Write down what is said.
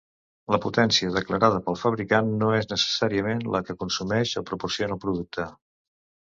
La potència declarada pel fabricant no és necessàriament la que consumeix o proporciona el producte.